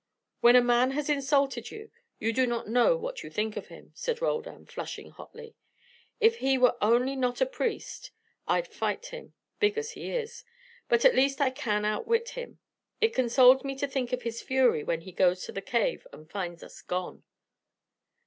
"When a man has insulted you, you do not know what you think of him," said Roldan, flushing hotly. "If he only were not a priest I'd fight him, big as he is. But at least I can outwit him. It consoles me to think of his fury when he goes to the cave and finds us gone."